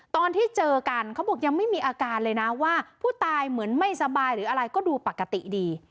ตอนที่เจอกันเขาบอกยังไม่มีอาการเลยนะว่าผู้ตายเหมือนไม่สบายหรืออะไรก็ดูปกติดี